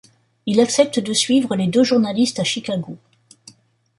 Il accepte de suivre les deux journalistes à Chicago.